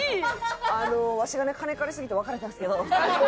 「わしがね金借りすぎて別れたんですけど」。